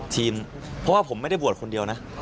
ทีมเพราะว่าผมไม่ได้บวชคนเดียวนะ